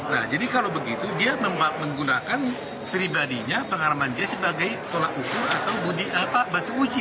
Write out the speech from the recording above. nah jadi kalau begitu dia menggunakan pribadinya pengalaman dia sebagai tolak ukur atau batu uji